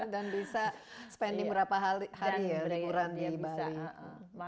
dan bisa spending berapa hari ya liburan di bali